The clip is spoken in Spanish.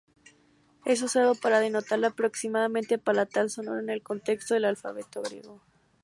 Es usado para denotar la aproximante palatal sonora en el contexto del alfabeto griego.